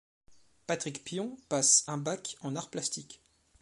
Patrick Pion passe un Bac en arts plastiques.